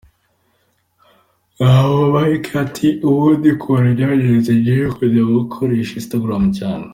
Ngabo Mike ati: “Ubundi ukuntu byagenze, njyewe nkunda gukoresha Instagram cyane.